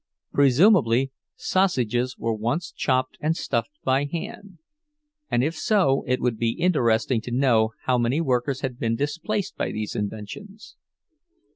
Presumably sausages were once chopped and stuffed by hand, and if so it would be interesting to know how many workers had been displaced by these inventions.